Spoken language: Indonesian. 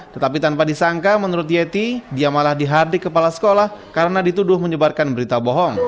tetapi tanpa disangka menurut yeti dia malah dihardit kepala sekolah karena dituduh menyebarkan berita bohong